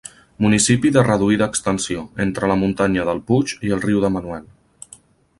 Municipi de reduïda extensió, entre la muntanya del Puig i el riu de Manuel.